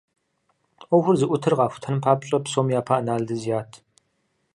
Ӏуэхур зыӏутыр къахутэн папщӏэ, псом япэ анализ ят.